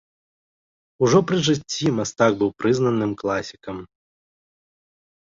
Ужо пры жыцці мастак быў прызнаным класікам.